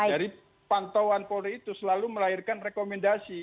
dari pantauan polri itu selalu melahirkan rekomendasi